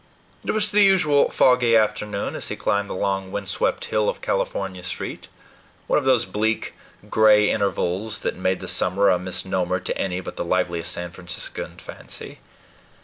It was the usual foggy afternoon as he climbed the long windswept hill of California Street one of those bleak, gray intervals that made the summer a misnomer to any but the liveliest San Franciscan fancy.